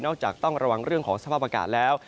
จากต้องระวังเรื่องของสภาพอากาศแล้ว